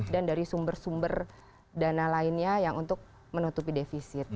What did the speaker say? dan dari sumber sumber dana lainnya yang untuk menutupi defisit